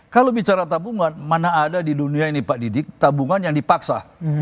kalau bicara tabungan mana ada di dunia ini pak didik tabungan yang dipaksa